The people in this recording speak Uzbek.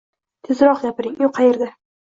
Tezroq gapiring, u qayerda?